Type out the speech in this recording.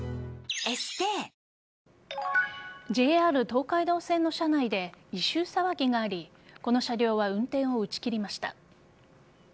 ＪＲ東海道線の車内で異臭騒ぎがありこの車両は運転を打ち切りました。